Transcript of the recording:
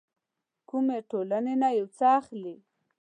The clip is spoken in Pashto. کومې ټولنې نه يو څه اخلي.